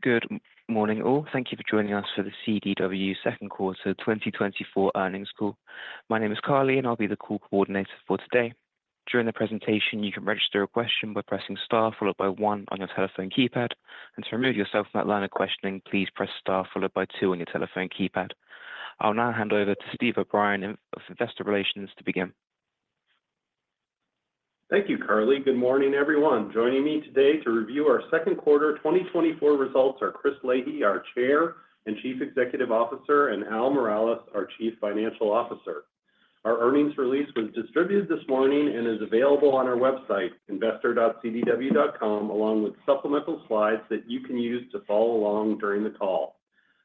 Good morning, all. Thank you for joining us for the CDW second quarter 2024 earnings call. My name is Carly, and I'll be the call coordinator for today. During the presentation, you can register a question by pressing star followed by one on your telephone keypad. To remove yourself from that line of questioning, please press star followed by two on your telephone keypad. I'll now hand over to Steve O'Brien of Investor Relations to begin. Thank you, Carly. Good morning, everyone. Joining me today to review our second quarter 2024 results are Chris Leahy, our Chair and Chief Executive Officer, and Al Miralles, our Chief Financial Officer. Our earnings release was distributed this morning and is available on our website, investor.cdw.com, along with supplemental slides that you can use to follow along during the call.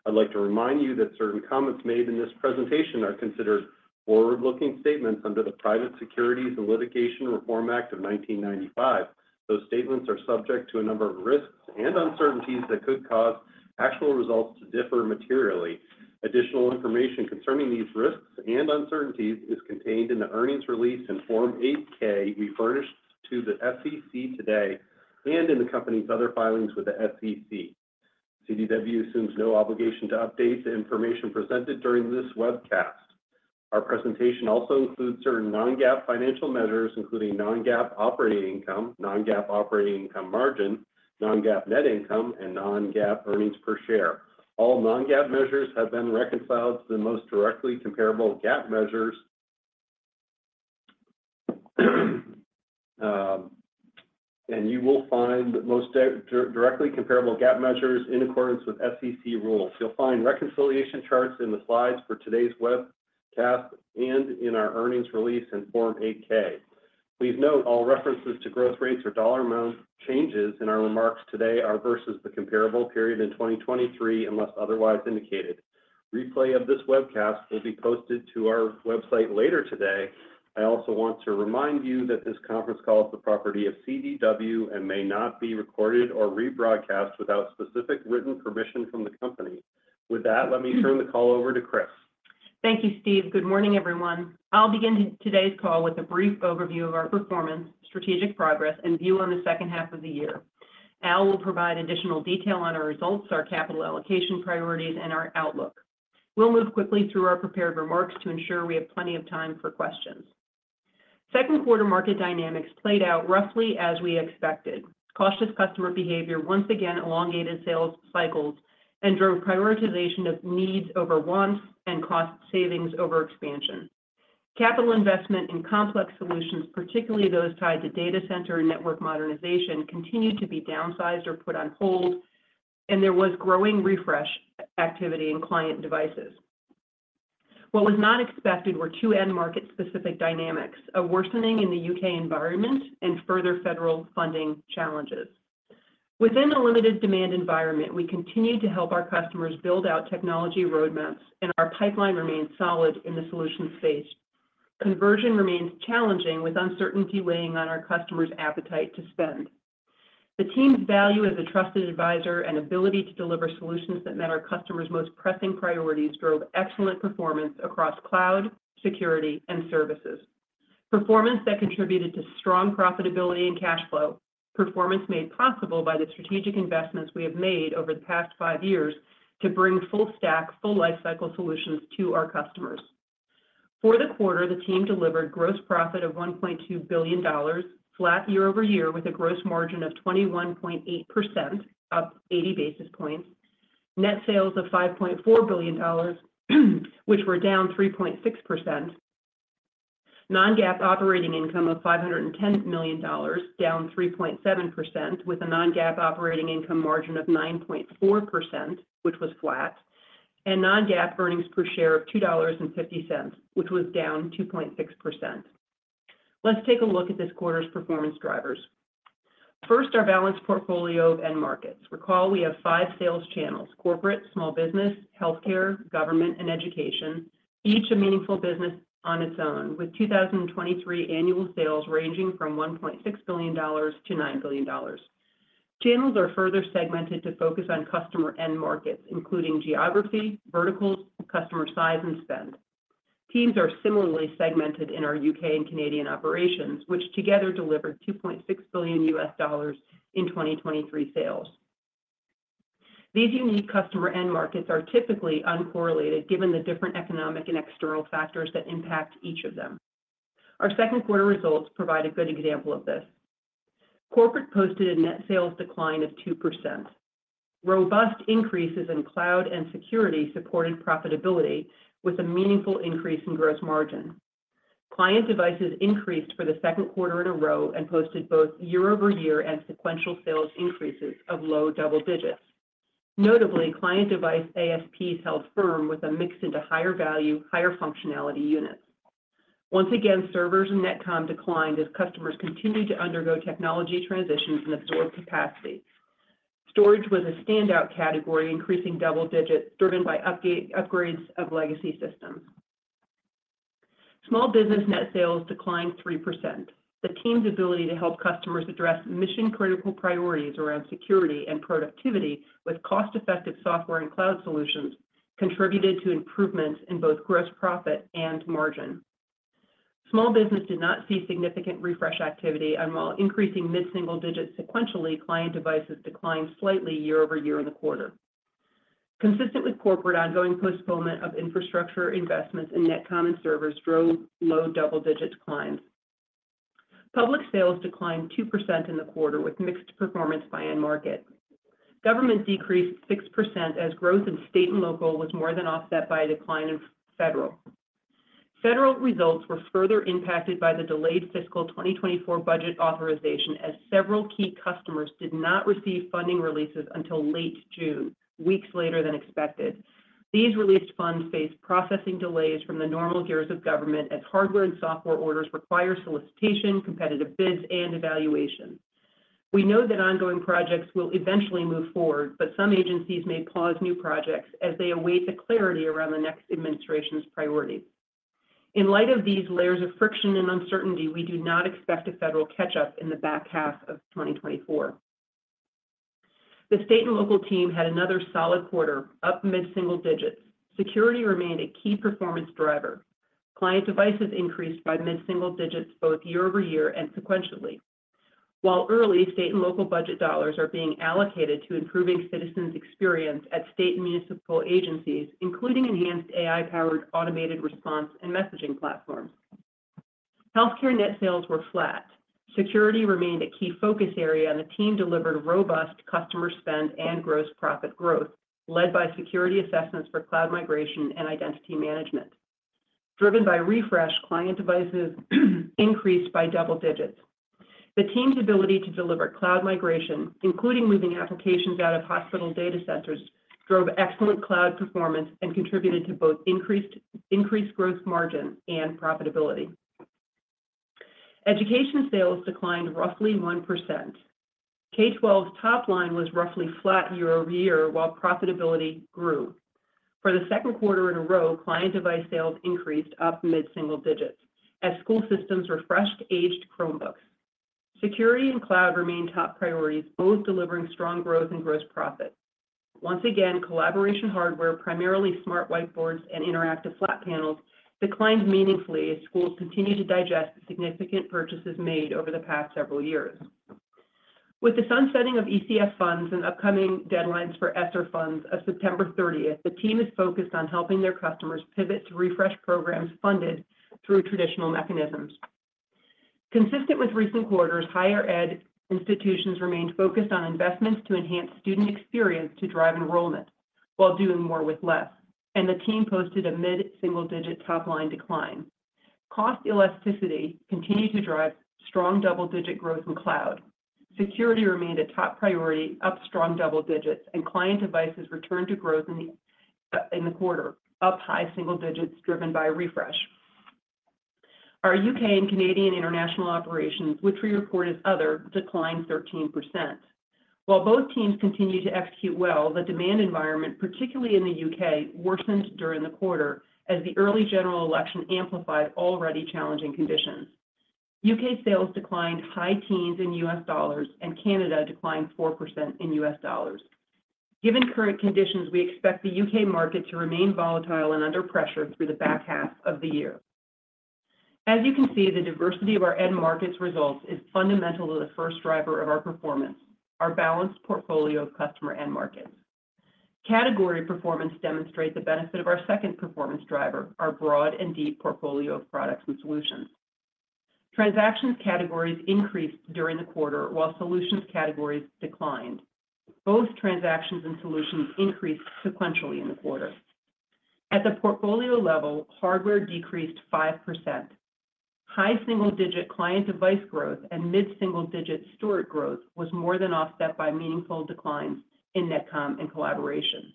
I'd like to remind you that certain comments made in this presentation are considered forward-looking statements under the Private Securities and Litigation Reform Act of 1995. Those statements are subject to a number of risks and uncertainties that could cause actual results to differ materially. Additional information concerning these risks and uncertainties is contained in the earnings release in Form 8-K furnished to the SEC today and in the company's other filings with the SEC. CDW assumes no obligation to update the information presented during this webcast. Our presentation also includes certain non-GAAP financial measures, including non-GAAP operating income, non-GAAP operating income margin, non-GAAP net income, and non-GAAP earnings per share. All non-GAAP measures have been reconciled to the most directly comparable GAAP measures, and you will find the most directly comparable GAAP measures in accordance with SEC rules. You'll find reconciliation charts in the slides for today's webcast and in our earnings release in Form 8-K. Please note all references to growth rates or dollar amount changes in our remarks today are versus the comparable period in 2023, unless otherwise indicated. Replay of this webcast will be posted to our website later today. I also want to remind you that this conference call is the property of CDW and may not be recorded or rebroadcast without specific written permission from the company. With that, let me turn the call over to Chris. Thank you, Steve. Good morning, everyone. I'll begin today's call with a brief overview of our performance, strategic progress, and view on the second half of the year. Al will provide additional detail on our results, our capital allocation priorities, and our outlook. We'll move quickly through our prepared remarks to ensure we have plenty of time for questions. Second quarter market dynamics played out roughly as we expected. Cautious customer behavior once again elongated sales cycles and drove prioritization of needs over wants and cost savings over expansion. Capital investment in complex solutions, particularly those tied to data center and network modernization, continued to be downsized or put on hold, and there was growing refresh activity in client devices. What was not expected were two end-market-specific dynamics, a worsening in the UK environment and further federal funding challenges. Within a limited demand environment, we continued to help our customers build out technology roadmaps, and our pipeline remained solid in the solution space. Conversion remained challenging, with uncertainty weighing on our customers' appetite to spend. The team's value as a trusted advisor and ability to deliver solutions that met our customers' most pressing priorities drove excellent performance across cloud, security, and services. Performance that contributed to strong profitability and cash flow, performance made possible by the strategic investments we have made over the past five years to bring full-stack, full-life-cycle solutions to our customers. For the quarter, the team delivered gross profit of $1.2 billion, flat year-over-year, with a gross margin of 21.8%, up 80 basis points, net sales of $5.4 billion, which were down 3.6%, non-GAAP operating income of $510 million, down 3.7%, with a non-GAAP operating income margin of 9.4%, which was flat, and non-GAAP earnings per share of $2.50, which was down 2.6%. Let's take a look at this quarter's performance drivers. First, our balanced portfolio of end markets. Recall we have five sales channels: corporate, small business, healthcare, government, and education, each a meaningful business on its own, with 2023 annual sales ranging from $1.6 billion-$9 billion. Channels are further segmented to focus on customer end markets, including geography, verticals, customer size, and spend. Teams are similarly segmented in our UK and Canadian operations, which together delivered $2.6 billion in 2023 sales. These unique customer end markets are typically uncorrelated, given the different economic and external factors that impact each of them. Our second quarter results provide a good example of this. Corporate posted a net sales decline of 2%. Robust increases in cloud and security supported profitability, with a meaningful increase in gross margin. Client devices increased for the second quarter in a row and posted both year-over-year and sequential sales increases of low double digits. Notably, client device ASPs held firm with a mix into higher value, higher functionality units. Once again, servers and NetComm declined as customers continued to undergo technology transitions and absorb capacity. Storage was a standout category, increasing double digits, driven by upgrades of legacy systems. Small business net sales declined 3%. The team's ability to help customers address mission-critical priorities around security and productivity with cost-effective software and cloud solutions contributed to improvements in both gross profit and margin. Small business did not see significant refresh activity, and while increasing mid-single digits sequentially, client devices declined slightly year-over-year in the quarter. Consistent with corporate, ongoing postponement of infrastructure investments in NetComm and servers drove low double-digit declines. Public sales declined 2% in the quarter, with mixed performance by end market. Government decreased 6% as growth in state and local was more than offset by a decline in federal. Federal results were further impacted by the delayed fiscal 2024 budget authorization, as several key customers did not receive funding releases until late June, weeks later than expected. These released funds faced processing delays from the normal gears of government, as hardware and software orders require solicitation, competitive bids, and evaluation. We know that ongoing projects will eventually move forward, but some agencies may pause new projects as they await the clarity around the next administration's priorities. In light of these layers of friction and uncertainty, we do not expect a federal catch-up in the back half of 2024. The state and local team had another solid quarter, up mid-single digits. Security remained a key performance driver. Client devices increased by mid-single digits, both year-over-year and sequentially. While early, state and local budget dollars are being allocated to improving citizens' experience at state and municipal agencies, including enhanced AI-powered automated response and messaging platforms. Healthcare net sales were flat. Security remained a key focus area, and the team delivered robust customer spend and gross profit growth, led by security assessments for cloud migration and identity management. Driven by refresh, client devices increased by double digits. The team's ability to deliver cloud migration, including moving applications out of hospital data centers, drove excellent cloud performance and contributed to both increased growth margin and profitability. Education sales declined roughly 1%. K-12 top line was roughly flat year-over-year, while profitability grew. For the second quarter in a row, client device sales increased, up mid-single digits, as school systems refreshed aged Chromebooks. Security and cloud remained top priorities, both delivering strong growth and gross profit. Once again, collaboration hardware, primarily smart whiteboards and interactive flat panels, declined meaningfully as schools continued to digest the significant purchases made over the past several years. With the sunsetting of ECF funds and upcoming deadlines for ESSER funds of September 30, the team is focused on helping their customers pivot to refresh programs funded through traditional mechanisms. Consistent with recent quarters, higher-ed institutions remained focused on investments to enhance student experience to drive enrollment, while doing more with less, and the team posted a mid-single-digit top line decline. Cost elasticity continued to drive strong double-digit growth in cloud. Security remained a top priority, up strong double digits, and client devices returned to growth in the quarter, up high single digits driven by refresh. Our U.K. and Canadian international operations, which we report as other, declined 13%. While both teams continued to execute well, the demand environment, particularly in the U.K., worsened during the quarter as the early general election amplified already challenging conditions. U.K. sales declined high teens in U.S. dollars, and Canada declined 4% in U.S. dollars. Given current conditions, we expect the U.K. market to remain volatile and under pressure through the back half of the year. As you can see, the diversity of our end markets results is fundamental to the first driver of our performance, our balanced portfolio of customer end markets. Category performance demonstrates the benefit of our second performance driver, our broad and deep portfolio of products and solutions. Transactions categories increased during the quarter, while solutions categories declined. Both transactions and solutions increased sequentially in the quarter. At the portfolio level, hardware decreased 5%. High single-digit client device growth and mid-single digit storage growth was more than offset by meaningful declines in NetComm and collaboration.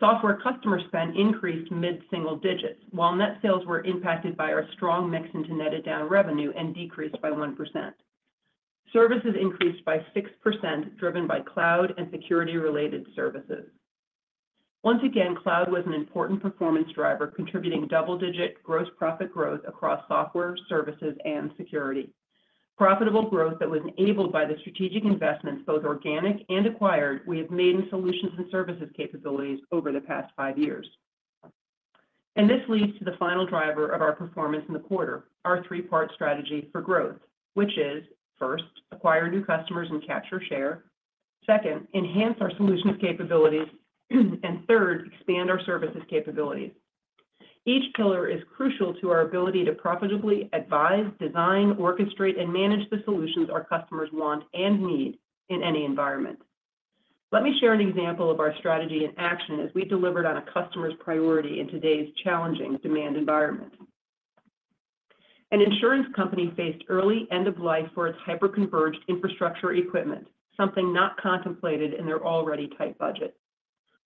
Software customer spend increased mid-single digits, while net sales were impacted by our strong mix into netted down revenue and decreased by 1%. Services increased by 6%, driven by cloud and security-related services. Once again, cloud was an important performance driver, contributing double-digit gross profit growth across software, services, and security. Profitable growth that was enabled by the strategic investments, both organic and acquired, we have made in solutions and services capabilities over the past five years. This leads to the final driver of our performance in the quarter, our three-part strategy for growth, which is, first, acquire new customers and capture share, second, enhance our solution capabilities, and third, expand our services capabilities. Each pillar is crucial to our ability to profitably advise, design, orchestrate, and manage the solutions our customers want and need in any environment. Let me share an example of our strategy in action as we delivered on a customer's priority in today's challenging demand environment. An insurance company faced early end-of-life for its hyper-converged infrastructure equipment, something not contemplated in their already tight budget.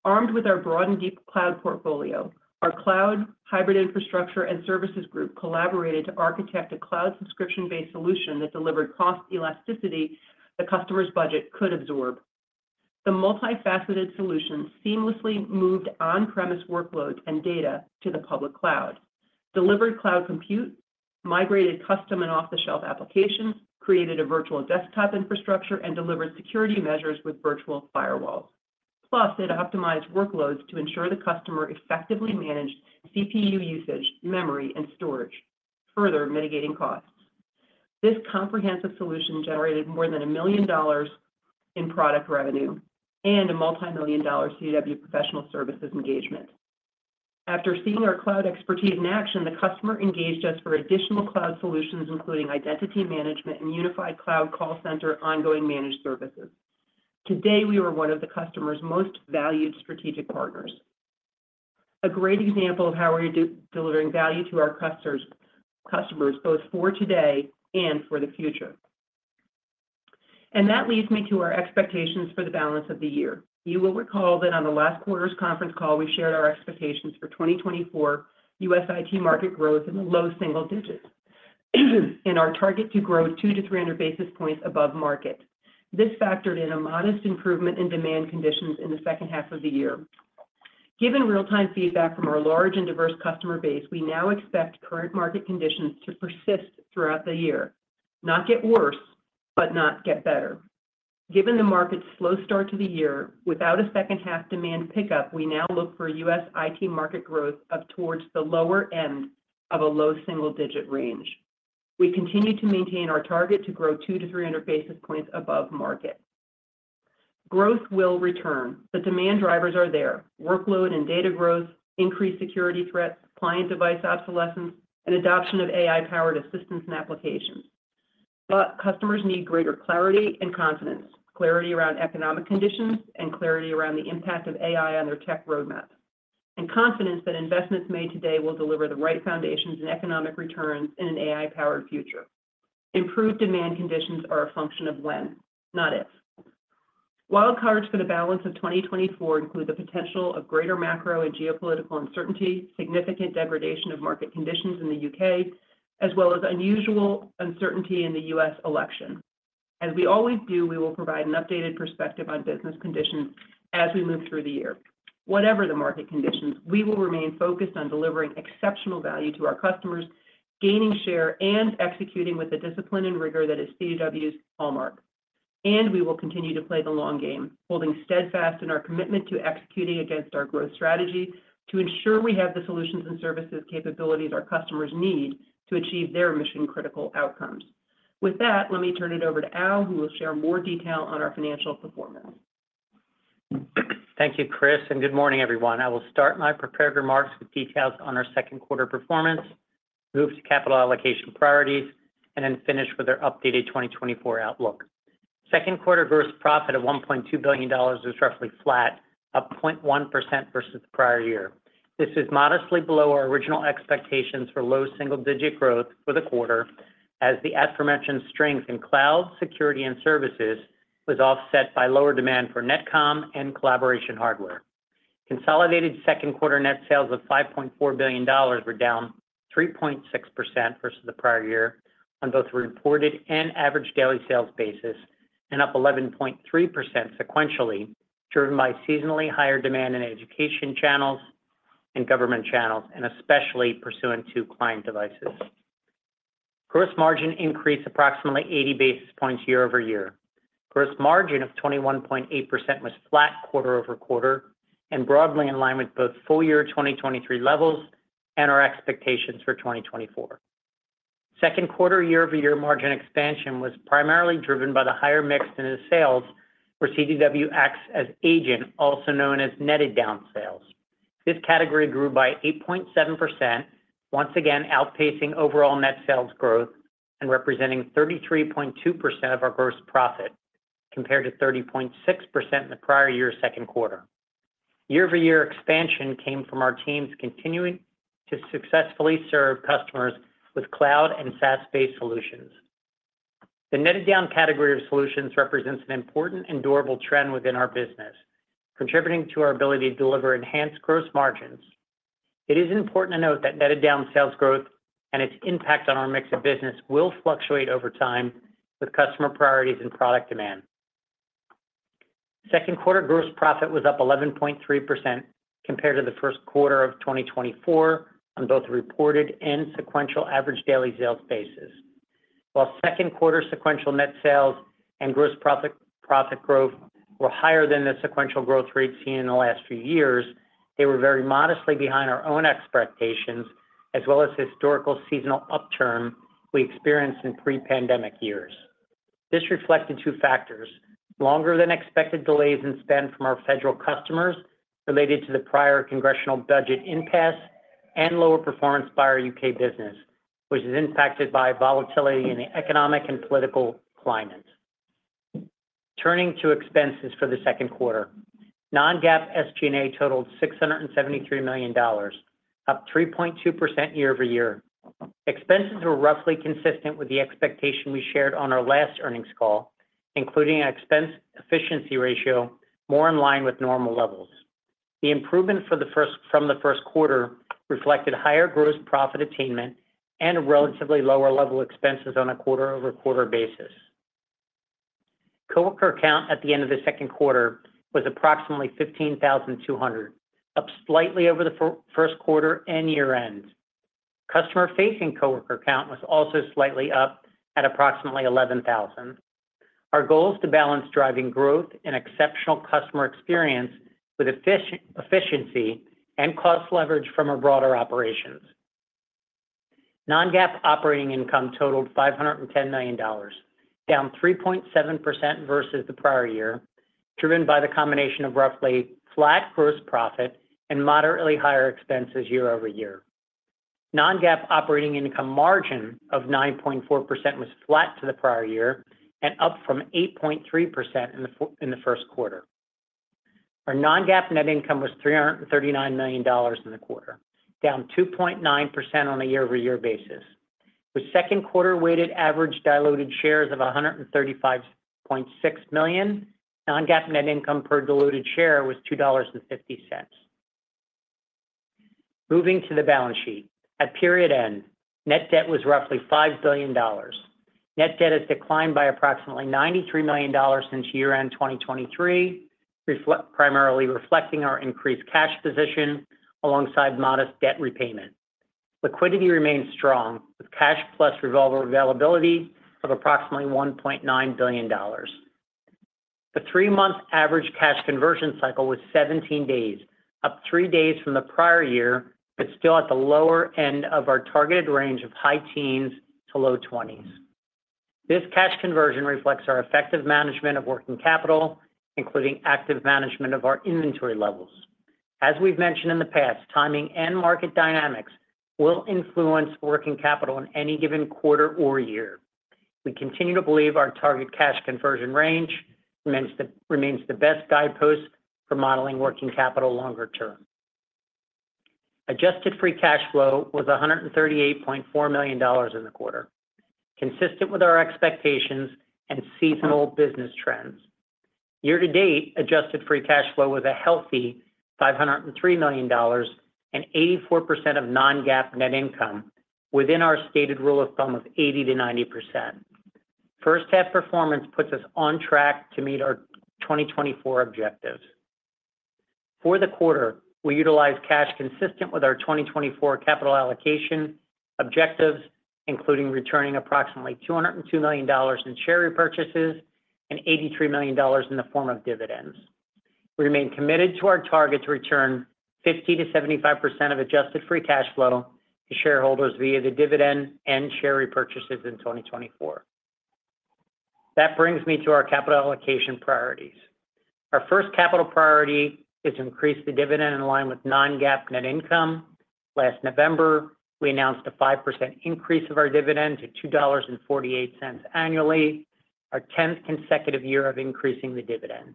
Armed with our broad and deep cloud portfolio, our cloud, hybrid infrastructure, and services group collaborated to architect a cloud subscription-based solution that delivered cost elasticity the customer's budget could absorb. The multifaceted solution seamlessly moved on-premise workloads and data to the public cloud, delivered cloud compute, migrated custom and off-the-shelf applications, created a virtual desktop infrastructure, and delivered security measures with virtual firewalls. Plus, it optimized workloads to ensure the customer effectively managed CPU usage, memory, and storage, further mitigating costs. This comprehensive solution generated more than $1 million in product revenue and a $ multi-million CDW professional services engagement. After seeing our cloud expertise in action, the customer engaged us for additional cloud solutions, including identity management and unified cloud call center ongoing managed services. Today, we were one of the customer's most valued strategic partners. A great example of how we're delivering value to our customers, both for today and for the future. That leads me to our expectations for the balance of the year. You will recall that on the last quarter's conference call, we shared our expectations for 2024 U.S. IT market growth in the low single digits and our target to grow 200-300 basis points above market. This factored in a modest improvement in demand conditions in the second half of the year. Given real-time feedback from our large and diverse customer base, we now expect current market conditions to persist throughout the year, not get worse, but not get better. Given the market's slow start to the year, without a second-half demand pickup, we now look for U.S. IT market growth up towards the lower end of a low single-digit range. We continue to maintain our target to grow 200-300 basis points above market. Growth will return. The demand drivers are there: workload and data growth, increased security threats, client device obsolescence, and adoption of AI-powered assistance and applications. But customers need greater clarity and confidence, clarity around economic conditions and clarity around the impact of AI on their tech roadmap, and confidence that investments made today will deliver the right foundations and economic returns in an AI-powered future. Improved demand conditions are a function of when, not if. Wild cards for the balance of 2024 include the potential of greater macro and geopolitical uncertainty, significant degradation of market conditions in the U.K., as well as unusual uncertainty in the U.S. election. As we always do, we will provide an updated perspective on business conditions as we move through the year. Whatever the market conditions, we will remain focused on delivering exceptional value to our customers, gaining share, and executing with the discipline and rigor that is CDW's hallmark. We will continue to play the long game, holding steadfast in our commitment to executing against our growth strategy to ensure we have the solutions and services capabilities our customers need to achieve their mission-critical outcomes. With that, let me turn it over to Al, who will share more detail on our financial performance. Thank you, Chris, and good morning, everyone. I will start my prepared remarks with details on our second quarter performance, move to capital allocation priorities, and then finish with our updated 2024 outlook. Second quarter gross profit of $1.2 billion is roughly flat, up 0.1% versus the prior year. This is modestly below our original expectations for low single-digit growth for the quarter, as the aforementioned strength in cloud, security, and services was offset by lower demand for NetComm and collaboration hardware. Consolidated second quarter net sales of $5.4 billion were down 3.6% versus the prior year on both reported and average daily sales basis, and up 11.3% sequentially, driven by seasonally higher demand in education channels and government channels, and especially pursuant to client devices. Gross margin increased approximately 80 basis points year-over-year. Gross margin of 21.8% was flat quarter over quarter and broadly in line with both full year 2023 levels and our expectations for 2024. Second quarter year-over-year margin expansion was primarily driven by the higher mix into sales for CDW acts as agent, also known as netted down sales. This category grew by 8.7%, once again outpacing overall net sales growth and representing 33.2% of our gross profit compared to 30.6% in the prior year's second quarter. Year-over-year expansion came from our teams continuing to successfully serve customers with cloud and SaaS-based solutions. The netted down category of solutions represents an important and durable trend within our business, contributing to our ability to deliver enhanced gross margins. It is important to note that netted down sales growth and its impact on our mix of business will fluctuate over time with customer priorities and product demand. Second quarter gross profit was up 11.3% compared to the first quarter of 2024 on both reported and sequential average daily sales basis. While second quarter sequential net sales and gross profit growth were higher than the sequential growth rate seen in the last few years, they were very modestly behind our own expectations, as well as historical seasonal upturn we experienced in pre-pandemic years. This reflected two factors: longer-than-expected delays in spend from our federal customers related to the prior congressional budget impasse and lower performance by our UK business, which is impacted by volatility in the economic and political climate. Turning to expenses for the second quarter, Non-GAAP SG&A totaled $673 million, up 3.2% year-over-year. Expenses were roughly consistent with the expectation we shared on our last earnings call, including an expense efficiency ratio more in line with normal levels. The improvement from the first quarter reflected higher gross profit attainment and relatively lower level expenses on a quarter-over-quarter basis. Coworker count at the end of the second quarter was approximately 15,200, up slightly over the first quarter and year-end. Customer-facing coworker count was also slightly up at approximately 11,000. Our goal is to balance driving growth and exceptional customer experience with efficiency and cost leverage from our broader operations. Non-GAAP operating income totaled $510 million, down 3.7% versus the prior year, driven by the combination of roughly flat gross profit and moderately higher expenses year-over-year. Non-GAAP operating income margin of 9.4% was flat to the prior year and up from 8.3% in the first quarter. Our non-GAAP net income was $339 million in the quarter, down 2.9% on a year-over-year basis. With second quarter weighted average diluted shares of 135.6 million, non-GAAP net income per diluted share was $2.50. Moving to the balance sheet, at period end, net debt was roughly $5 billion. Net debt has declined by approximately $93 million since year-end 2023, primarily reflecting our increased cash position alongside modest debt repayment. Liquidity remained strong with cash plus revolver availability of approximately $1.9 billion. The three-month average cash conversion cycle was 17 days, up three days from the prior year, but still at the lower end of our targeted range of high teens to low 20s. This cash conversion reflects our effective management of working capital, including active management of our inventory levels. As we've mentioned in the past, timing and market dynamics will influence working capital in any given quarter or year. We continue to believe our target cash conversion range remains the best guidepost for modeling working capital longer term. Adjusted free cash flow was $138.4 million in the quarter, consistent with our expectations and seasonal business trends. Year-to-date, adjusted free cash flow was a healthy $503 million and 84% of non-GAAP net income within our stated rule of thumb of 80%-90%. First-half performance puts us on track to meet our 2024 objectives. For the quarter, we utilized cash consistent with our 2024 capital allocation objectives, including returning approximately $202 million in share repurchases and $83 million in the form of dividends. We remain committed to our target to return 50%-75% of adjusted free cash flow to shareholders via the dividend and share repurchases in 2024. That brings me to our capital allocation priorities. Our first capital priority is to increase the dividend in line with non-GAAP net income. Last November, we announced a 5% increase of our dividend to $2.48 annually, our 10th consecutive year of increasing the dividend.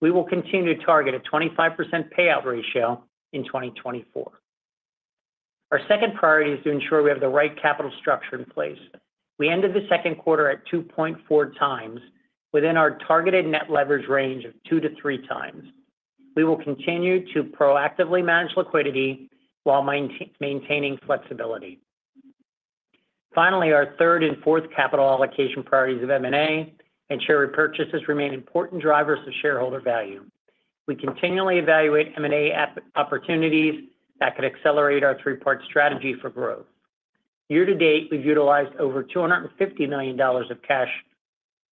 We will continue to target a 25% payout ratio in 2024. Our second priority is to ensure we have the right capital structure in place. We ended the second quarter at 2.4 times within our targeted net leverage range of 2 to 3 times. We will continue to proactively manage liquidity while maintaining flexibility. Finally, our third and fourth capital allocation priorities of M&A and share repurchases remain important drivers of shareholder value. We continually evaluate M&A opportunities that could accelerate our three-part strategy for growth. Year-to-date, we've utilized over $250 million of cash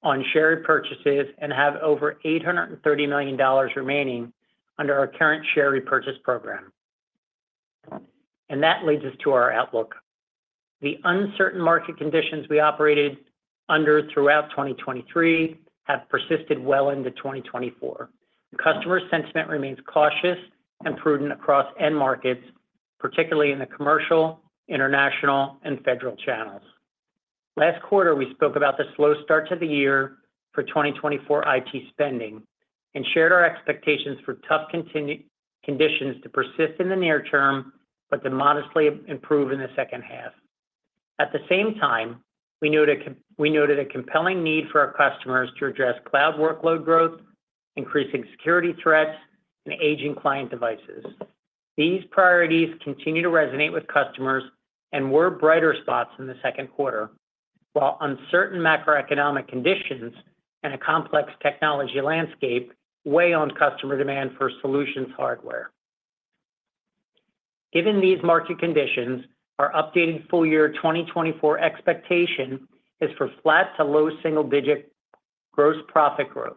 on share repurchases and have over $830 million remaining under our current share repurchase program. That leads us to our outlook. The uncertain market conditions we operated under throughout 2023 have persisted well into 2024. Customer sentiment remains cautious and prudent across end markets, particularly in the commercial, international, and federal channels. Last quarter, we spoke about the slow start to the year for 2024 IT spending and shared our expectations for tough conditions to persist in the near term, but to modestly improve in the second half. At the same time, we noted a compelling need for our customers to address cloud workload growth, increasing security threats, and aging client devices. These priorities continue to resonate with customers and were brighter spots in the second quarter, while uncertain macroeconomic conditions and a complex technology landscape weigh on customer demand for solutions hardware. Given these market conditions, our updated full year 2024 expectation is for flat to low single-digit gross profit growth,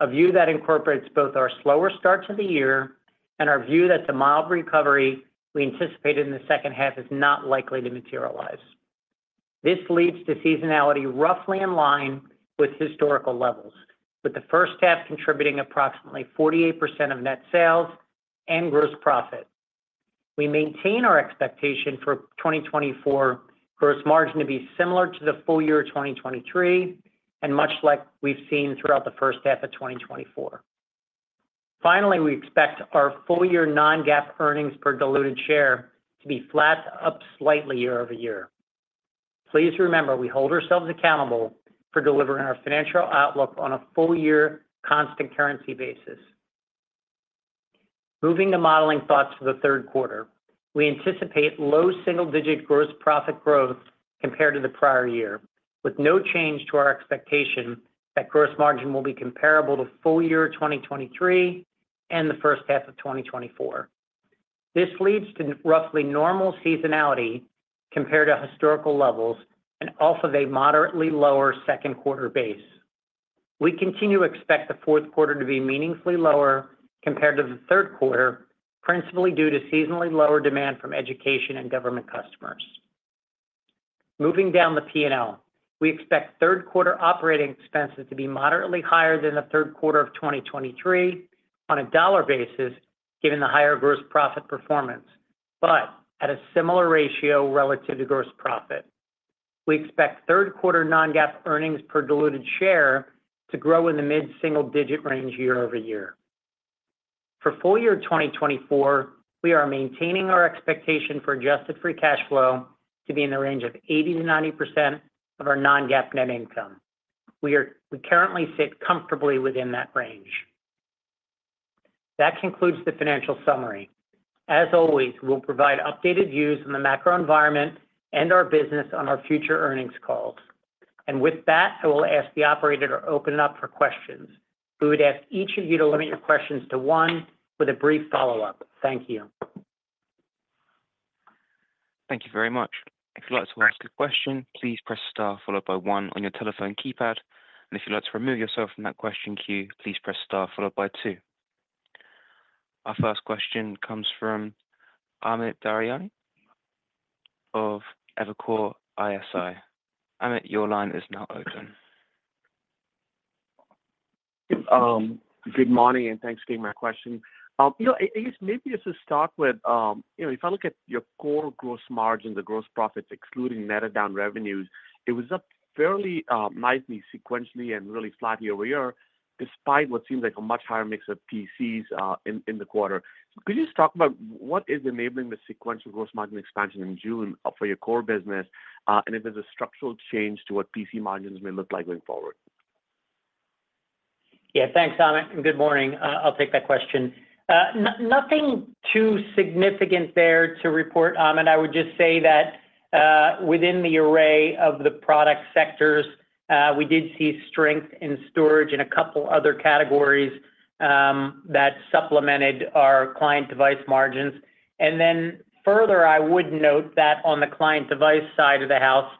a view that incorporates both our slower start to the year and our view that the mild recovery we anticipated in the second half is not likely to materialize. This leads to seasonality roughly in line with historical levels, with the first half contributing approximately 48% of net sales and gross profit. We maintain our expectation for 2024 gross margin to be similar to the full year 2023 and much like we've seen throughout the first half of 2024. Finally, we expect our full year non-GAAP earnings per diluted share to be flat, up slightly year-over-year. Please remember, we hold ourselves accountable for delivering our financial outlook on a full year constant currency basis. Moving to modeling thoughts for the third quarter, we anticipate low single-digit gross profit growth compared to the prior year, with no change to our expectation that gross margin will be comparable to full year 2023 and the first half of 2024. This leads to roughly normal seasonality compared to historical levels and off of a moderately lower second quarter base. We continue to expect the fourth quarter to be meaningfully lower compared to the third quarter, principally due to seasonally lower demand from education and government customers. Moving down the P&L, we expect third quarter operating expenses to be moderately higher than the third quarter of 2023 on a dollar basis given the higher gross profit performance, but at a similar ratio relative to gross profit. We expect third quarter Non-GAAP earnings per diluted share to grow in the mid-single-digit range year-over-year. For full year 2024, we are maintaining our expectation for adjusted free cash flow to be in the range of 80%-90% of our Non-GAAP net income. We currently sit comfortably within that range. That concludes the financial summary. As always, we'll provide updated views on the macro environment and our business on our future earnings calls. With that, I will ask the operator to open it up for questions. We would ask each of you to limit your questions to one with a brief follow-up. Thank you. Thank you very much. If you'd like to ask a question, please press star followed by one on your telephone keypad. If you'd like to remove yourself from that question queue, please press star followed by two. Our first question comes from Amit Daryanani of Evercore ISI. Amit, your line is now open. Good morning and thanks for taking my question. I guess maybe just to start with, if I look at your core gross margins, the gross profits excluding netted down revenues, it was up fairly nicely sequentially and really flat year-over-year despite what seems like a much higher mix of PCs in the quarter. Could you just talk about what is enabling the sequential gross margin expansion in June for your core business and if there's a structural change to what PC margins may look like going forward? Yeah, thanks, Amit. Good morning. I'll take that question. Nothing too significant there to report, Amit. I would just say that within the array of the product sectors, we did see strength in storage and a couple of other categories that supplemented our client device margins. Then further, I would note that on the client device side of the house,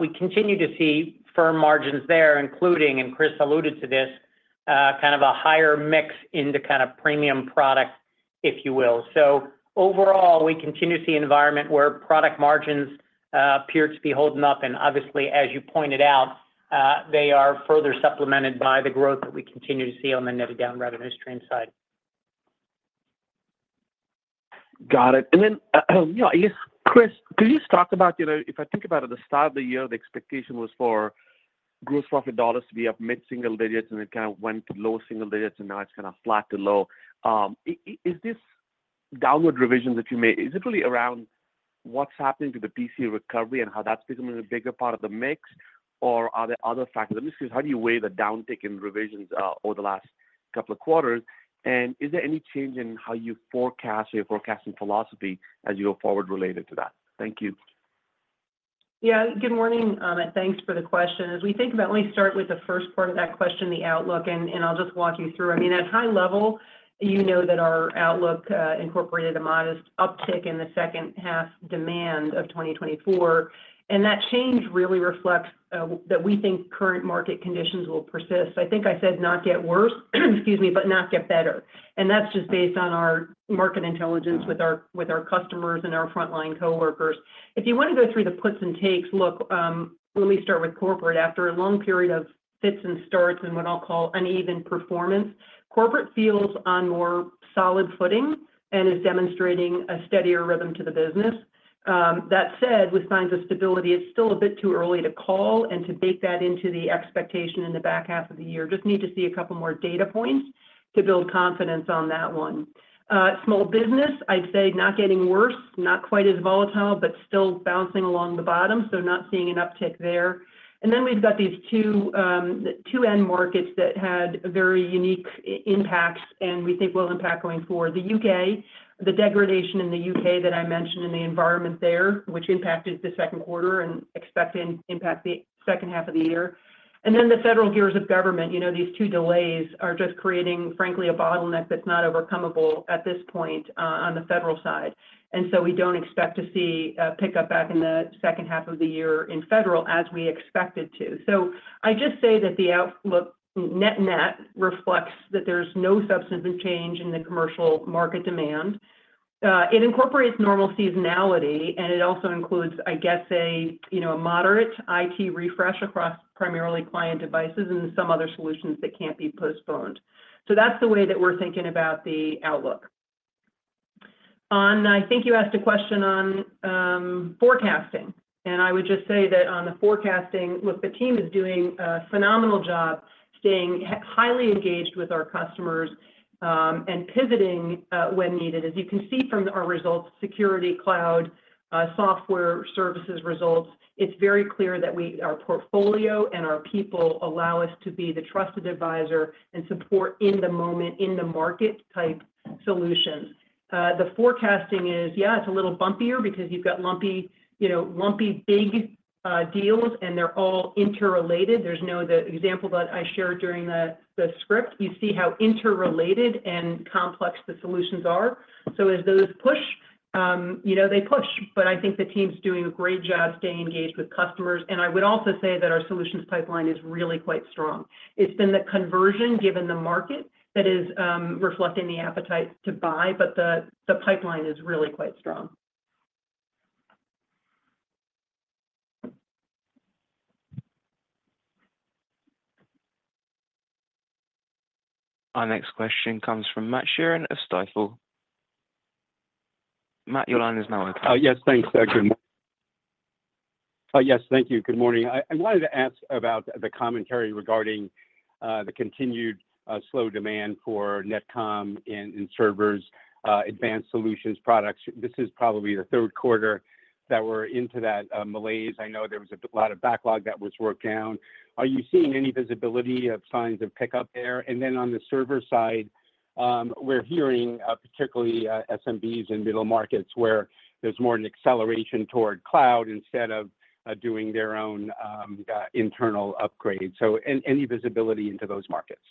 we continue to see firm margins there, including, and Chris alluded to this, kind of a higher mix into kind of premium product, if you will. So overall, we continue to see an environment where product margins appear to be holding up. Obviously, as you pointed out, they are further supplemented by the growth that we continue to see on the netted down revenue stream side. Got it. And then I guess, Chris, could you just talk about, if I think about it, the start of the year. The expectation was for gross profit dollars to be up mid-single digits, and it kind of went to low single digits, and now it's kind of flat to low. Is this downward revision that you made, is it really around what's happening to the PC recovery and how that's becoming a bigger part of the mix, or are there other factors? Let me see, how do you weigh the downtick in revisions over the last couple of quarters? And is there any change in how you forecast or your forecasting philosophy as you go forward related to that? Thank you. Yeah, good morning, Amit. Thanks for the question. As we think about, let me start with the first part of that question, the outlook, and I'll just walk you through. I mean, at high level, you know that our outlook incorporated a modest uptick in the second half demand of 2024. That change really reflects that we think current market conditions will persist. I think I said not get worse, excuse me, but not get better. That's just based on our market intelligence with our customers and our frontline coworkers. If you want to go through the puts and takes, look, let me start with corporate. After a long period of fits and starts and what I'll call uneven performance, corporate feels on more solid footing and is demonstrating a steadier rhythm to the business. That said, with signs of stability, it's still a bit too early to call and to bake that into the expectation in the back half of the year. Just need to see a couple more data points to build confidence on that one. Small business, I'd say not getting worse, not quite as volatile, but still bouncing along the bottom, so not seeing an uptick there. And then we've got these two end markets that had very unique impacts and we think will impact going forward. The UK, the degradation in the UK that I mentioned in the environment there, which impacted the second quarter and expect to impact the second half of the year. And then the federal gears of government, you know these two delays are just creating, frankly, a bottleneck that's not overcomable at this point on the federal side. And so we don't expect to see a pickup back in the second half of the year in federal as we expected to. So I just say that the outlook net-net reflects that there's no substantive change in the commercial market demand. It incorporates normal seasonality, and it also includes, I guess, a moderate IT refresh across primarily client devices and some other solutions that can't be postponed. So that's the way that we're thinking about the outlook. I think you asked a question on forecasting, and I would just say that on the forecasting, look, the team is doing a phenomenal job staying highly engaged with our customers and pivoting when needed. As you can see from our results, security, cloud, software services results, it's very clear that our portfolio and our people allow us to be the trusted advisor and support in the moment in the market type solutions. The forecasting is, yeah, it's a little bumpier because you've got lumpy, big deals, and they're all interrelated. There's no example that I shared during the script. You see how interrelated and complex the solutions are. So as those push, they push, but I think the team's doing a great job staying engaged with customers. And I would also say that our solutions pipeline is really quite strong. It's been the conversion given the market that is reflecting the appetite to buy, but the pipeline is really quite strong. Our next question comes from Matt Sheerin of Stifel. Matt, your line is now open. Yes, thanks. Good morning. Yes, thank you. Good morning. I wanted to ask about the commentary regarding the continued slow demand for NetComm and servers, advanced solutions products. This is probably the third quarter that we're into that malaise. I know there was a lot of backlog that was worked down. Are you seeing any visibility of signs of pickup there? And then on the server side, we're hearing particularly SMBs and middle markets where there's more of an acceleration toward cloud instead of doing their own internal upgrade. So any visibility into those markets?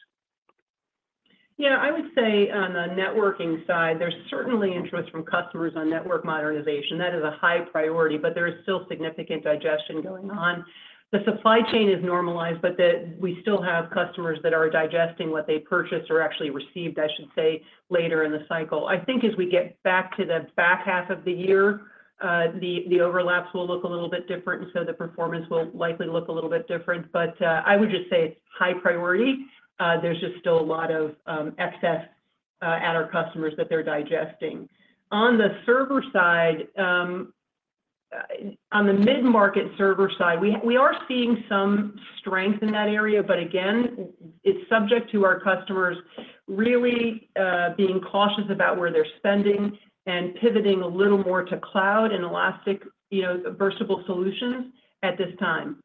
Yeah, I would say on the networking side, there's certainly interest from customers on network modernization. That is a high priority, but there is still significant digestion going on. The supply chain is normalized, but we still have customers that are digesting what they purchased or actually received, I should say, later in the cycle. I think as we get back to the back half of the year, the overlaps will look a little bit different, and so the performance will likely look a little bit different. But I would just say it's high priority. There's just still a lot of excess at our customers that they're digesting. On the server side, on the mid-market server side, we are seeing some strength in that area, but again, it's subject to our customers really being cautious about where they're spending and pivoting a little more to cloud and elastic, versatile solutions at this time.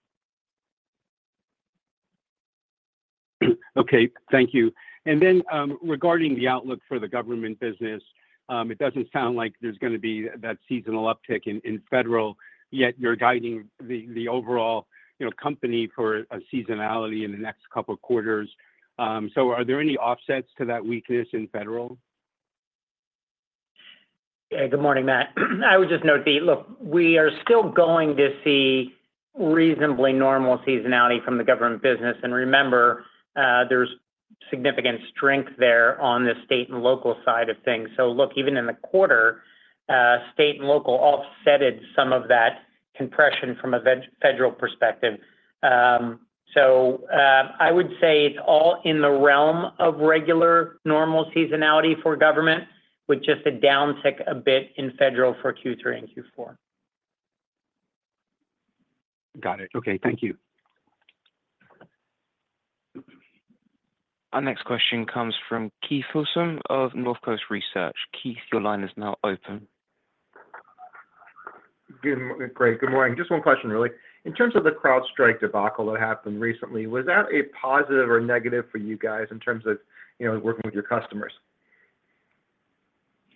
Okay, thank you. And then regarding the outlook for the government business, it doesn't sound like there's going to be that seasonal uptick in federal, yet you're guiding the overall company for a seasonality in the next couple of quarters. So are there any offsets to that weakness in federal? Good morning, Matt. I would just note the, look, we are still going to see reasonably normal seasonality from the government business. And remember, there's significant strength there on the state and local side of things. So look, even in the quarter, state and local offset some of that compression from a federal perspective. So I would say it's all in the realm of regular normal seasonality for government, with just a downtick a bit in federal for Q3 and Q4. Got it. Okay, thank you. Our next question comes from Keith Housum of North Coast Research. Keith, your line is now open. Great. Good morning. Just one question, really. In terms of the CrowdStrike debacle that happened recently, was that a positive or negative for you guys in terms of working with your customers?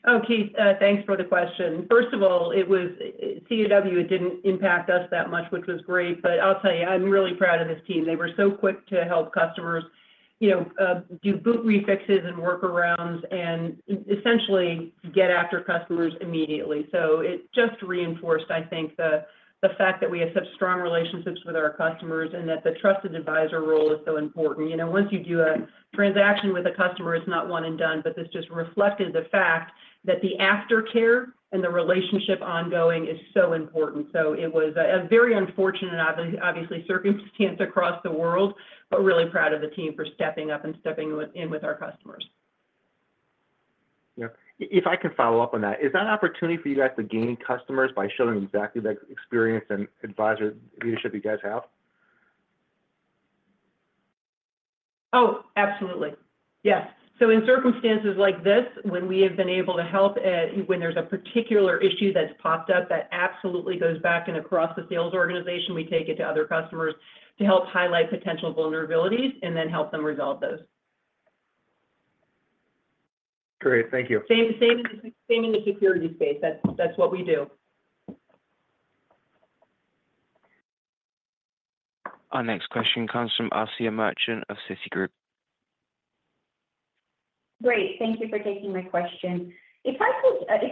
Oh, Keith, thanks for the question. First of all, it was CDW; it didn't impact us that much, which was great. But I'll tell you, I'm really proud of this team. They were so quick to help customers do boot fixes and workarounds and essentially get after customers immediately. So it just reinforced, I think, the fact that we have such strong relationships with our customers and that the trusted advisor role is so important. Once you do a transaction with a customer, it's not one and done, but this just reflected the fact that the aftercare and the relationship ongoing is so important. So it was a very unfortunate, obviously, circumstance across the world, but really proud of the team for stepping up and stepping in with our customers. Yeah. If I can follow up on that, is that an opportunity for you guys to gain customers by showing exactly the experience and advisor leadership you guys have? Oh, absolutely. Yes. So in circumstances like this, when we have been able to help when there's a particular issue that's popped up that absolutely goes back and across the sales organization, we take it to other customers to help highlight potential vulnerabilities and then help them resolve those. Great. Thank you. Same in the security space. That's what we do. Our next question comes from Asiya Merchant of Citigroup. Great. Thank you for taking my question. If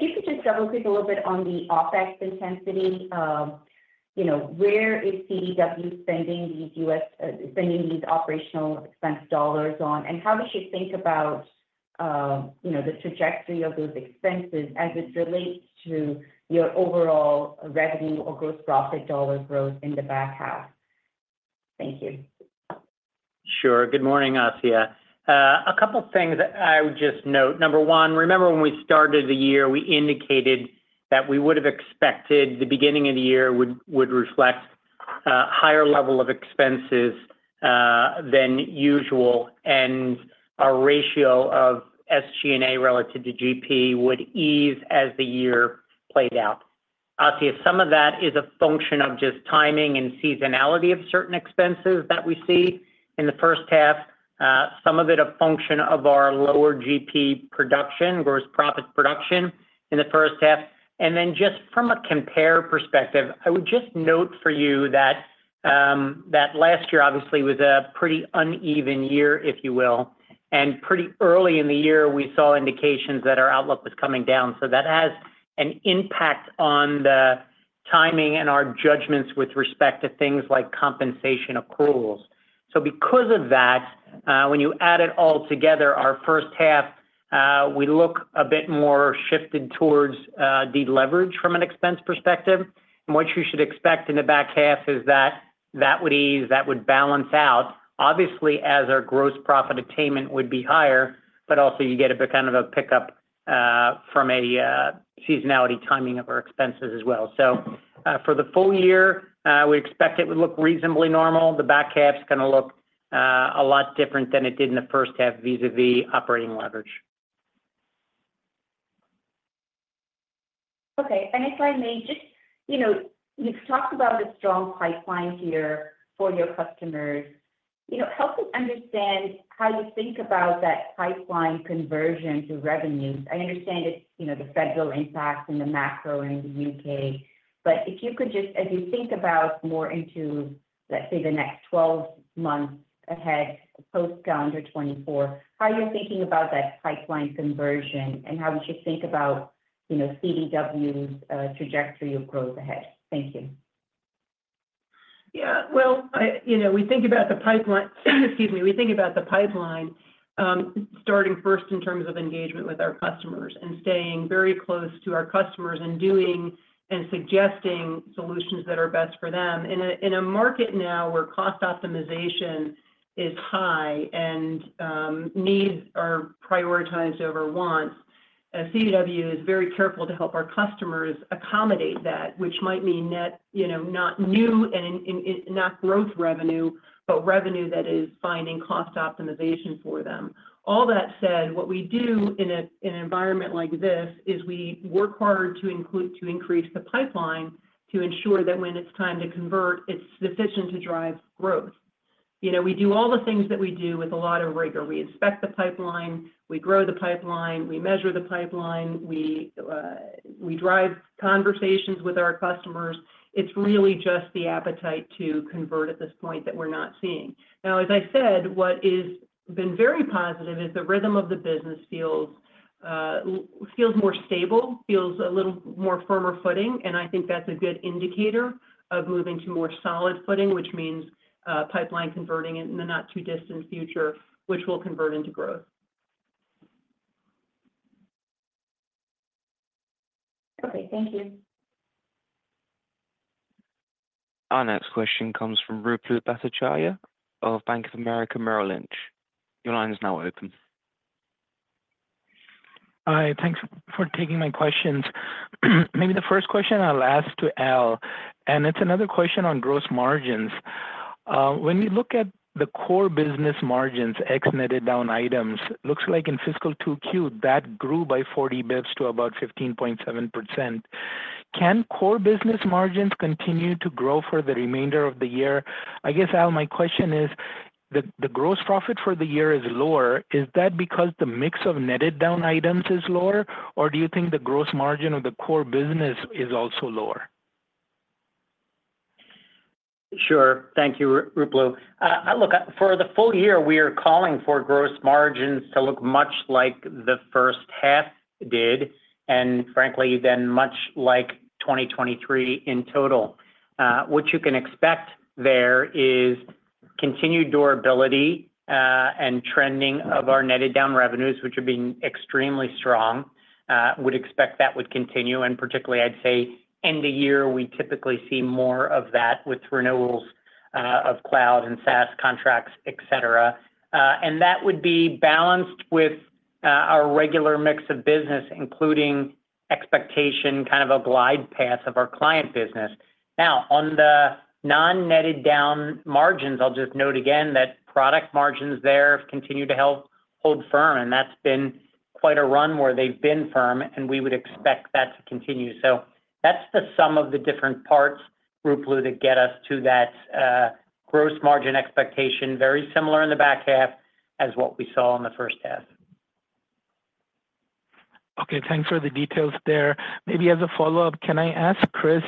you could just double-click a little bit on the OpEx intensity, where is CDW spending these operational expense dollars on, and how does she think about the trajectory of those expenses as it relates to your overall revenue or gross profit dollar growth in the back half? Thank you. Sure. Good morning, Asiya. A couple of things I would just note. Number one, remember when we started the year, we indicated that we would have expected the beginning of the year would reflect a higher level of expenses than usual, and our ratio of SG&A relative to GP would ease as the year played out. Asiya, some of that is a function of just timing and seasonality of certain expenses that we see in the first half. Some of it is a function of our lower GP production, gross profit production in the first half. And then just from a compare perspective, I would just note for you that last year, obviously, was a pretty uneven year, if you will. And pretty early in the year, we saw indications that our outlook was coming down. So that has an impact on the timing and our judgments with respect to things like compensation accruals. So because of that, when you add it all together, our first half, we look a bit more shifted towards deleverage from an expense perspective. And what you should expect in the back half is that that would ease, that would balance out, obviously, as our gross profit attainment would be higher, but also you get a bit kind of a pickup from a seasonality timing of our expenses as well. So for the full year, we expect it would look reasonably normal. The back half is going to look a lot different than it did in the first half vis-à-vis operating leverage. Okay. And if I may, just you've talked about the strong pipeline here for your customers. Help me understand how you think about that pipeline conversion to revenue. I understand it's the federal impact and the macro in the U.K., but if you could just, as you think about more into, let's say, the next 12 months ahead, post-calendar 2024, how are you thinking about that pipeline conversion and how you should think about CDW's trajectory of growth ahead? Thank you. Yeah. Well, we think about the pipeline, excuse me. We think about the pipeline starting first in terms of engagement with our customers and staying very close to our customers and doing and suggesting solutions that are best for them. In a market now where cost optimization is high and needs are prioritized over wants, CDW is very careful to help our customers accommodate that, which might mean net not new and not growth revenue, but revenue that is finding cost optimization for them. All that said, what we do in an environment like this is we work hard to increase the pipeline to ensure that when it's time to convert, it's sufficient to drive growth. We do all the things that we do with a lot of rigor. We inspect the pipeline, we grow the pipeline, we measure the pipeline, we drive conversations with our customers. It's really just the appetite to convert at this point that we're not seeing. Now, as I said, what has been very positive is the rhythm of the business feels more stable, feels a little more firmer footing, and I think that's a good indicator of moving to more solid footing, which means pipeline converting in the not-too-distant future, which will convert into growth. Okay. Thank you. Our next question comes from Ruplu Bhattacharya of Bank of America, Merrill Lynch. Your line is now open. Hi. Thanks for taking my questions. Maybe the first question I'll ask to Al, and it's another question on gross margins. When we look at the core business margins, ex-netted down items, looks like in fiscal 2Q, that grew by 40 basis points to about 15.7%. Can core business margins continue to grow for the remainder of the year? I guess, Al, my question is, the gross profit for the year is lower. Is that because the mix of netted down items is lower, or do you think the gross margin of the core business is also lower? Sure. Thank you, Ruplu. Look, for the full year, we are calling for gross margins to look much like the first half did, and frankly, then much like 2023 in total. What you can expect there is continued durability and trending of our netted down revenues, which are being extremely strong. Would expect that would continue, and particularly, I'd say end of year, we typically see more of that with renewals of cloud and SaaS contracts, etc. And that would be balanced with our regular mix of business, including expectation, kind of a glide path of our client business. Now, on the non-netted down margins, I'll just note again that product margins there continue to help hold firm, and that's been quite a run where they've been firm, and we would expect that to continue. So that's the sum of the different parts, Rupert, that get us to that gross margin expectation, very similar in the back half as what we saw in the first half. Okay. Thanks for the details there. Maybe as a follow-up, can I ask, Chris,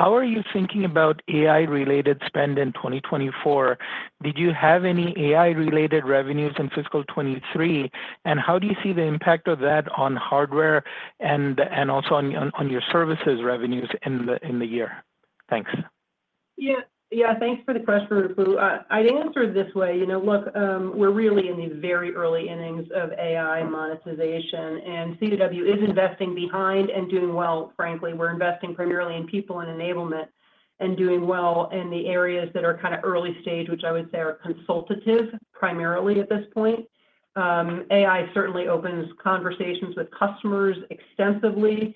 how are you thinking about AI-related spend in 2024? Did you have any AI-related revenues in fiscal 2023, and how do you see the impact of that on hardware and also on your services revenues in the year? Thanks. Yeah. Yeah. Thanks for the question, Rupelu. I'd answer it this way. Look, we're really in the very early innings of AI monetization, and CDW is investing behind and doing well. Frankly, we're investing primarily in people and enablement and doing well in the areas that are kind of early stage, which I would say are consultative primarily at this point. AI certainly opens conversations with customers extensively,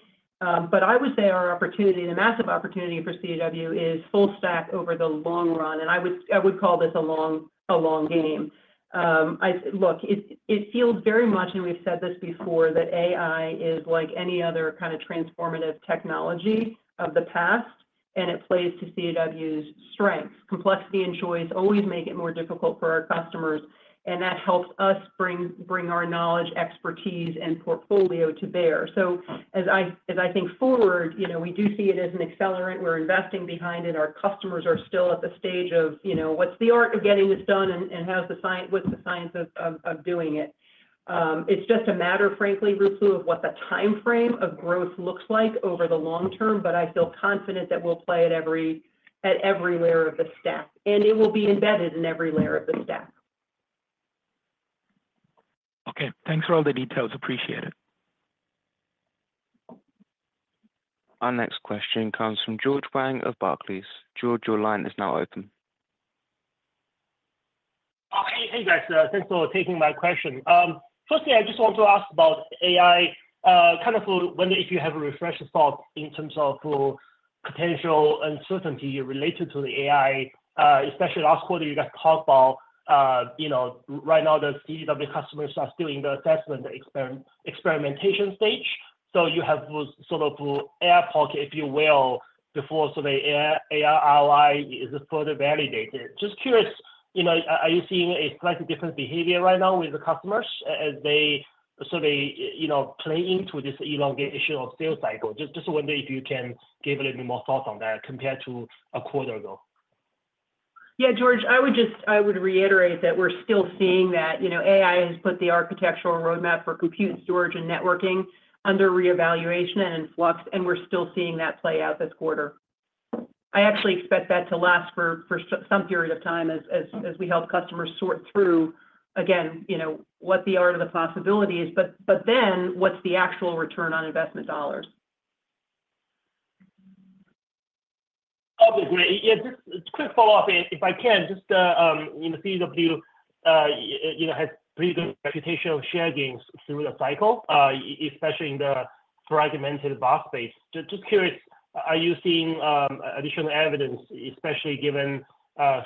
but I would say our opportunity, the massive opportunity for CDW is full stack over the long run, and I would call this a long game. Look, it feels very much, and we've said this before, that AI is like any other kind of transformative technology of the past, and it plays to CDW's strengths. Complexity and choice always make it more difficult for our customers, and that helps us bring our knowledge, expertise, and portfolio to bear. So as I think forward, we do see it as an accelerant. We're investing behind it. Our customers are still at the stage of, "What's the art of getting this done, and what's the science of doing it?" It's just a matter, frankly, Ruplu, of what the timeframe of growth looks like over the long term, but I feel confident that we'll play it at every layer of the stack, and it will be embedded in every layer of the stack. Okay. Thanks for all the details. Appreciate it. Our next question comes from George Wang of Barclays. George, your line is now open. Hey, guys. Thanks for taking my question. Firstly, I just want to ask about AI, kind of wonder if you have a refresher thought in terms of potential uncertainty related to the AI, especially last quarter you guys talked about. Right now, the CDW customers are still in the assessment experimentation stage. So you have sort of air pocket, if you will, before the AI ROI is further validated. Just curious, are you seeing a slightly different behavior right now with the customers as they play into this elongation of sales cycle? Just wonder if you can give a little bit more thought on that compared to a quarter ago. Yeah, George, I would reiterate that we're still seeing that AI has put the architectural roadmap for compute, storage, and networking under reevaluation and in flux, and we're still seeing that play out this quarter. I actually expect that to last for some period of time as we help customers sort through, again, what the art of the possibility is, but then what's the actual return on investment dollars? Yeah. Just a quick follow-up, if I can. Just CDW has a pretty good reputation of share gains through the cycle, especially in the fragmented box space. Just curious, are you seeing additional evidence, especially given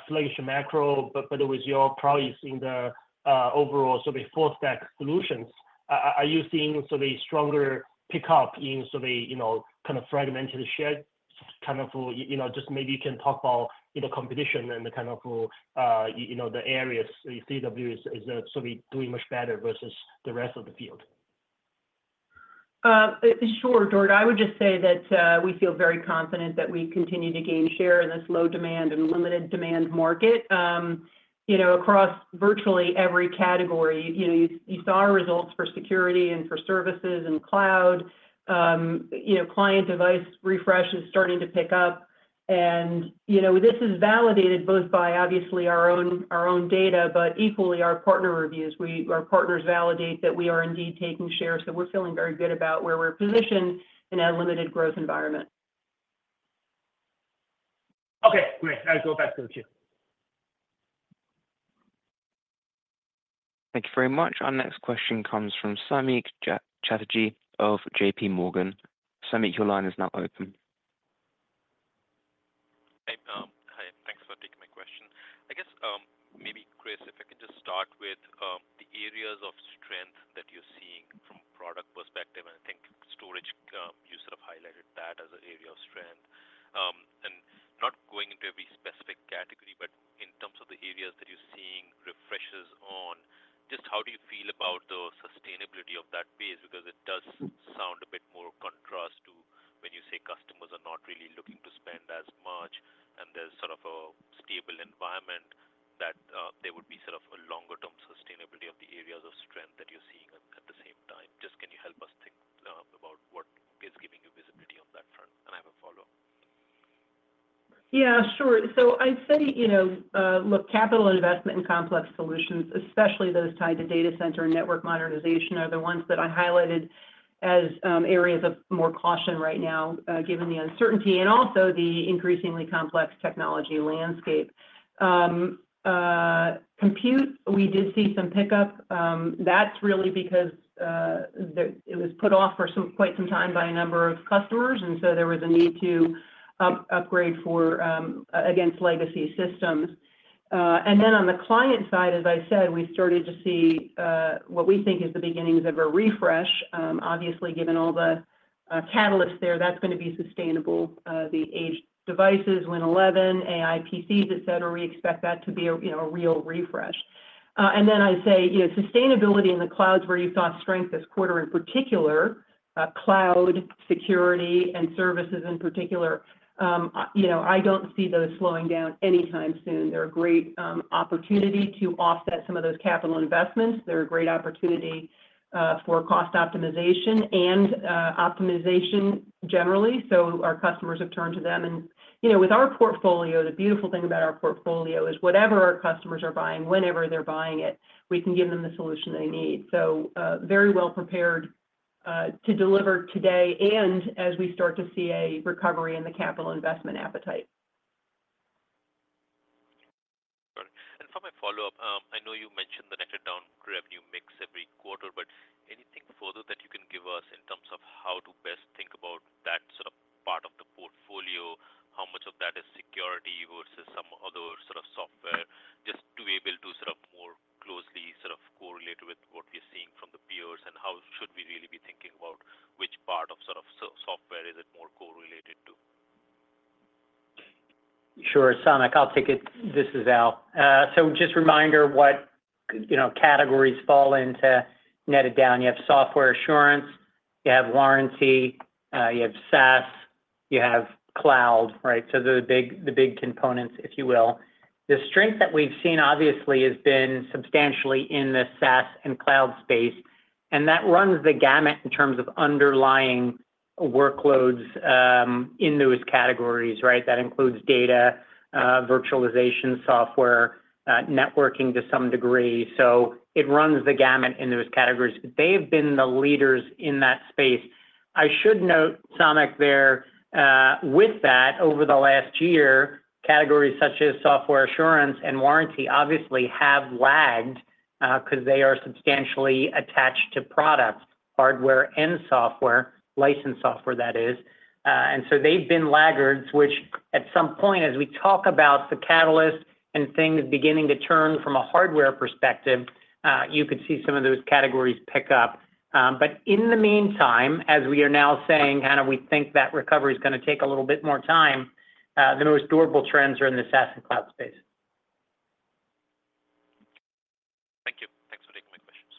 sluggish macro, but with your prowess in the overall sort of full-stack solutions, are you seeing sort of a stronger pickup in sort of kind of fragmented share? Kind of just maybe you can talk about the competition and the kind of the areas CDW is sort of doing much better versus the rest of the field. Sure, George. I would just say that we feel very confident that we continue to gain share in this low demand and limited demand market across virtually every category. You saw our results for security and for services and cloud. Client device refresh is starting to pick up, and this is validated both by, obviously, our own data, but equally, our partner reviews. Our partners validate that we are indeed taking share. So we're feeling very good about where we're positioned in a limited growth environment. Okay. Great. I'll go back to it too. Thank you very much. Our next question comes from Samik Chatterjee of J.P. Morgan. Samik, your line is now open. Hi. Thanks for taking my question. I guess maybe, Chris, if I can just start with the areas of strength that you're seeing from product perspective. And I think storage, you sort of highlighted that as an area of strength. And not going into every specific category, but in terms of the areas that you're seeing refreshes on, just how do you feel about the sustainability of that base? Because it does sound a bit more contrast to when you say customers are not really looking to spend as much, and there's sort of a stable environment that there would be sort of a longer-term sustainability of the areas of strength that you're seeing at the same time. Just can you help us think about what is giving you visibility on that front? And I have a follow-up. Yeah. Sure. So I'd say, look, capital investment and complex solutions, especially those tied to data center and network modernization, are the ones that I highlighted as areas of more caution right now, given the uncertainty and also the increasingly complex technology landscape. Compute, we did see some pickup. That's really because it was put off for quite some time by a number of customers, and so there was a need to upgrade against legacy systems. And then on the client side, as I said, we started to see what we think is the beginnings of a refresh. Obviously, given all the catalysts there, that's going to be sustainable. The aged devices, Win 11, AI PCs, etc., we expect that to be a real refresh. And then I'd say sustainability in the cloud's where you saw strength this quarter in particular, cloud security and services in particular. I don't see those slowing down anytime soon. They're a great opportunity to offset some of those capital investments. They're a great opportunity for cost optimization and optimization generally. So our customers have turned to them. And with our portfolio, the beautiful thing about our portfolio is whatever our customers are buying, whenever they're buying it, we can give them the solution they need. So very well prepared to deliver today and as we start to see a recovery in the capital investment appetite. Got it. And for my follow-up, I know you mentioned the netted down revenue mix every quarter, but anything further that you can give us in terms of how to best think about that sort of part of the portfolio, how much of that is security versus some other sort of software, just to be able to sort of more closely sort of correlate with what we're seeing from the peers, and how should we really be thinking about which part of sort of software is it more correlated to? Sure. Samik, I'll take it. This is Al. So just reminder what categories fall into netted down. You have Software assurance, you have warranty, you have SaaS, you have cloud, right? So the big components, if you will. The strength that we've seen, obviously, has been substantially in the SaaS and cloud space, and that runs the gamut in terms of underlying workloads in those categories, right? That includes data, virtualization software, networking to some degree. So it runs the gamut in those categories. They have been the leaders in that space. I should note, Samik, there with that, over the last year, categories such as Software Assurance and warranty obviously have lagged because they are substantially attached to product, hardware and software, licensed software, that is. And so they've been laggards, which at some point, as we talk about the catalyst and things beginning to turn from a hardware perspective, you could see some of those categories pick up. But in the meantime, as we are now saying, kind of we think that recovery is going to take a little bit more time, the most durable trends are in the SaaS and cloud space. Thank you. Thanks for taking my questions.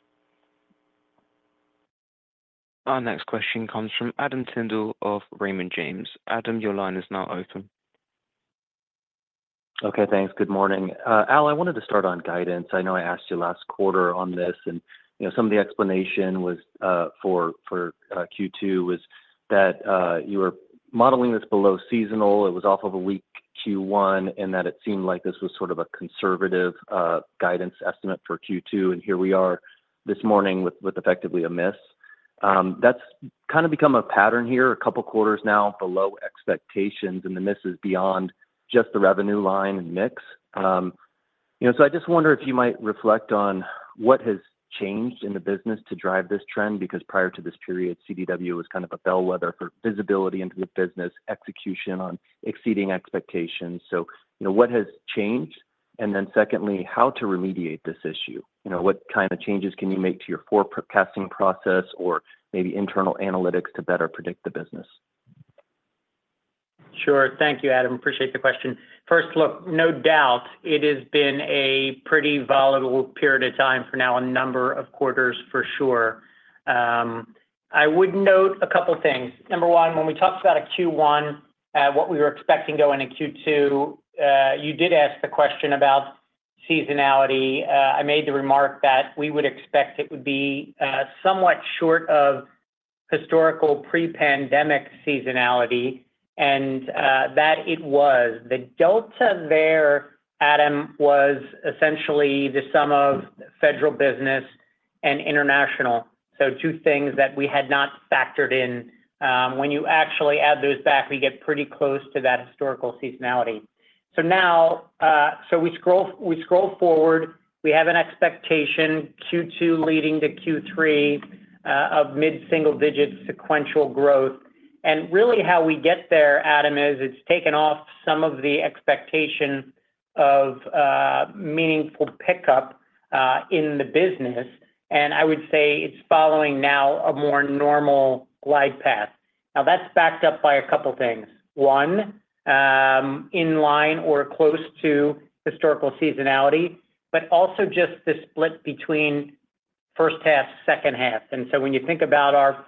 Our next question comes from Adam Tindle of Raymond James. Adam, your line is now open. Okay. Thanks. Good morning. Al, I wanted to start on guidance. I know I asked you last quarter on this, and some of the explanation for Q2 was that you were modeling this below seasonal. It was off of a weak Q1, and that it seemed like this was sort of a conservative guidance estimate for Q2. And here we are this morning with effectively a miss. That's kind of become a pattern here a couple of quarters now below expectations, and the miss is beyond just the revenue line and mix. So I just wonder if you might reflect on what has changed in the business to drive this trend, because prior to this period, CDW was kind of a bellwether for visibility into the business execution on exceeding expectations. So what has changed? And then secondly, how to remediate this issue? What kind of changes can you make to your forecasting process or maybe internal analytics to better predict the business? Sure. Thank you, Adam. Appreciate the question. First, look, no doubt, it has been a pretty volatile period of time for now, a number of quarters for sure. I would note a couple of things. Number one, when we talked about a Q1, what we were expecting going into Q2, you did ask the question about seasonality. I made the remark that we would expect it would be somewhat short of historical pre-pandemic seasonality, and that it was. The delta there, Adam, was essentially the sum of federal business and international. So two things that we had not factored in. When you actually add those back, we get pretty close to that historical seasonality. So we scroll forward. We have an expectation Q2 leading to Q3 of mid-single-digit sequential growth. And really how we get there, Adam, is it's taken off some of the expectation of meaningful pickup in the business. And I would say it's following now a more normal glide path. Now, that's backed up by a couple of things. One, in line or close to historical seasonality, but also just the split between first half, second half. And so when you think about our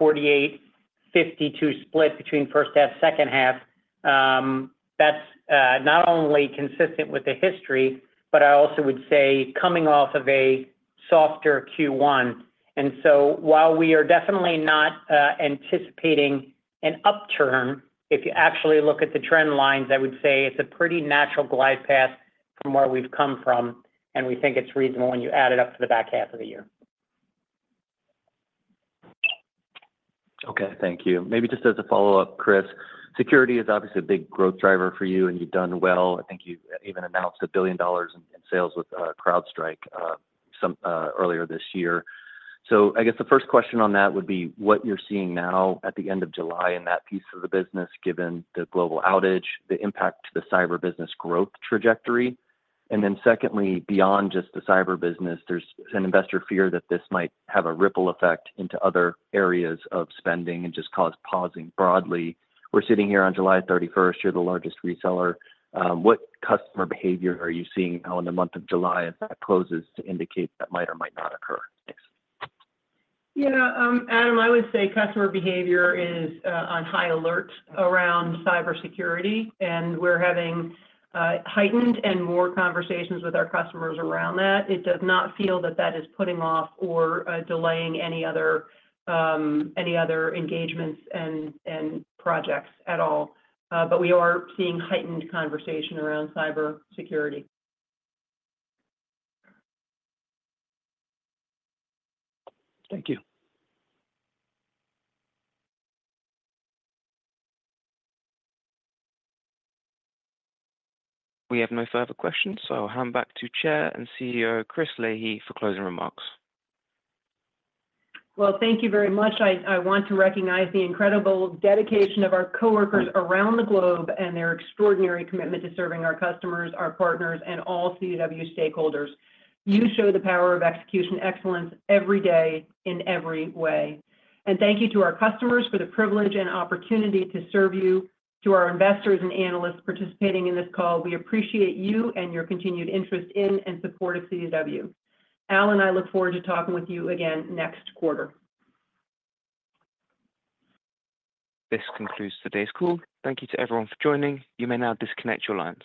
48-52 split between first half, second half, that's not only consistent with the history, but I also would say coming off of a softer Q1. And so while we are definitely not anticipating an upturn, if you actually look at the trend lines, I would say it's a pretty natural glide path from where we've come from, and we think it's reasonable when you add it up to the back half of the year. Okay. Thank you. Maybe just as a follow-up, Chris, security is obviously a big growth driver for you, and you've done well. I think you even announced $1 billion in sales with CrowdStrike earlier this year. So I guess the first question on that would be what you're seeing now at the end of July in that piece of the business, given the global outage, the impact to the cyber business growth trajectory. Then secondly, beyond just the cyber business, there's an investor fear that this might have a ripple effect into other areas of spending and just cause pausing broadly. We're sitting here on July 31st. You're the largest reseller. What customer behavior are you seeing now in the month of July as that closes to indicate that might or might not occur? Thanks. Yeah. Adam, I would say customer behavior is on high alert around cybersecurity, and we're having heightened and more conversations with our customers around that. It does not feel that that is putting off or delaying any other engagements and projects at all, but we are seeing heightened conversation around cybersecurity. Thank you. We have no further questions. I'll hand back to Chair and CEO Chris Leahy for closing remarks. Well, thank you very much. I want to recognize the incredible dedication of our coworkers around the globe and their extraordinary commitment to serving our customers, our partners, and all CDW stakeholders. You show the power of execution excellence every day in every way. Thank you to our customers for the privilege and opportunity to serve you, to our investors and analysts participating in this call. We appreciate you and your continued interest in and support of CDW. Al and I look forward to talking with you again next quarter. This concludes today's call. Thank you to everyone for joining. You may now disconnect your lines.